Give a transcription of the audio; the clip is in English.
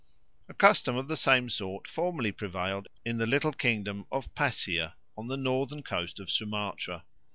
'" A custom of the same sort formerly prevailed in the little kingdom of Passier, on the northern coast of Sumatra.